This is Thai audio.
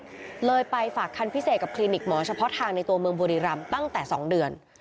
ก็เลยไปฝากคันพิเศษกับคลินิกหมอเฉพาะทางในตัวเมืองบุรีรำตั้งแต่๒เดือน